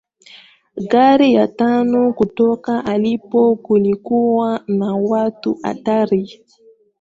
Gari ya tano kutoka alipo kulikuwa na watu hatari